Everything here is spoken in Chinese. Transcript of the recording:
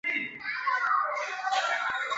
大成东路站位于奉化区岳林街道。